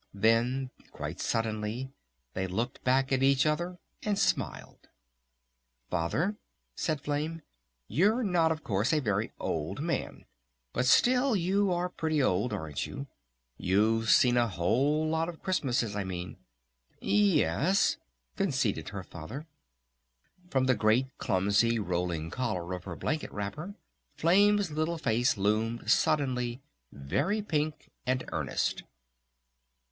Then quite suddenly they looked back at each other and smiled. "Father," said Flame. "You're not of course a very old man.... But still you are pretty old, aren't you? You've seen a whole lot of Christmasses, I mean?" "Yes," conceded her Father. From the great clumsy rolling collar of her blanket wrapper Flame's little face loomed suddenly very pink and earnest.